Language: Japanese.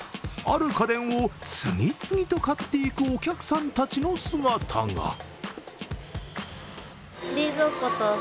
ある家電を次々と買っていくお客さんたちの姿が。